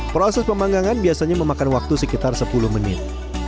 proses pemanggangan biasanya memakan waktu sekitar sepuluh menit